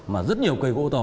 mà rất nhiều cây gỗ to